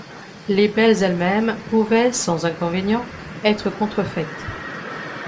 Les belles elles-mêmes pouvaient, sans inconvénient, être contrefaites.